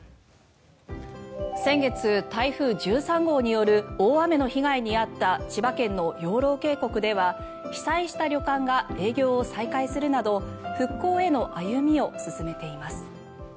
先月、台風１３号による大雨の被害に遭った千葉県の養老渓谷では被災した旅館が営業を再開するなど復興への歩みを進めています。